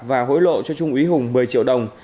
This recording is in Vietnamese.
và hối lộ cho trung úy hùng một mươi triệu đồng